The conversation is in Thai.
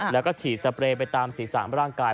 แล้วก็ฉีดสเปรย์ไปตามศีรษะร่างกาย